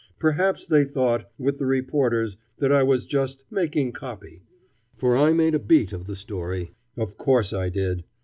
Perhaps they thought, with the reporters, that I was just "making copy." For I made a "beat" of the story. Of course I did.